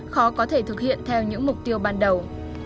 khó có thể thực hiện theo những mục tiêu ban đầu